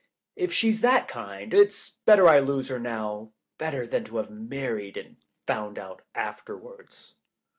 If she's that kind, it's better I lose her now, better than to have married and found out afterwards."